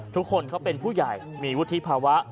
ทุกคนเขาเป็นผู้ใหญ่มีวุฒิภาวะ